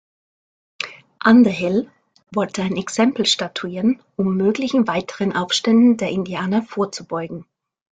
Underhill wollte ein Exempel statuieren, um möglichen weiteren Aufständen der Indianer vorzubeugen.